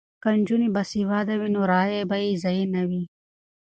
که نجونې باسواده وي نو رایې به یې ضایع نه وي.